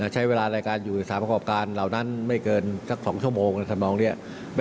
ใช้เวลาในการอยู่ในสถานประกอบการเหล่านั้นไม่เกินสัก๒ชั่วโมงนะครับน้องเนี่ย